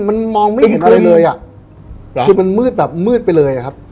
มันมองไม่เห็นอะไรเลยอ่ะคือมันมืดแบบมืดไปเลยอะครับ